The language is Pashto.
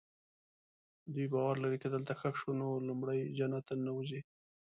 دوی باور لري که دلته ښخ شي نو لومړی جنت ته ننوځي.